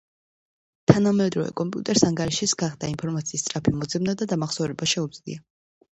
თანამედროვე კომპიუტერს ანგარიშის გარდა, ინფორმაციის სწრაფი მოძებნა და დამახსოვრება შეუძლია